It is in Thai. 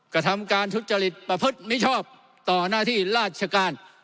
กระทำการทุจริตประพฤติมิชอบต่อหน้าที่ราชการ